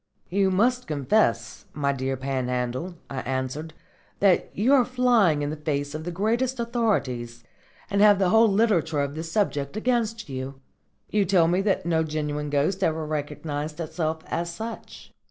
"You must confess, my dear Panhandle," I answered, "that you are flying in the face of the greatest authorities, and have the whole literature of the subject against you. You tell me that no genuine ghost ever recognised itself as such."